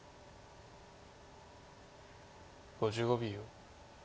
５５秒。